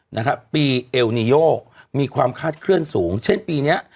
นะครับปีเอลนิโยมีความคาดเคลื่อนสูงเช่นปีเนี้ย